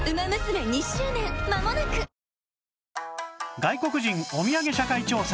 外国人おみやげ社会調査